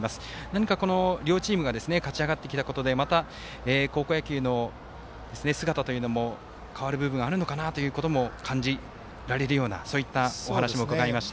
何か、この両チームが勝ち上がってきたことでまた、高校野球の姿も変わる部分があるのかなと感じられるようなそういったお話も伺いました。